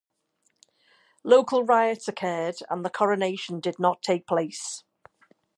Local riots occurred and the coronation did not take place.